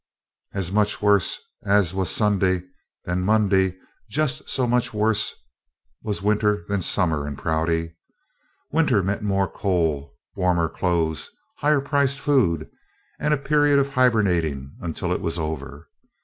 As much worse as was Sunday than Monday, just so much worse was winter than summer in Prouty. Winter meant more coal, warmer clothes, high priced food, and a period of hibernating until it was over.